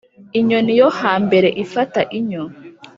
inyoni yo hambere ifata inyo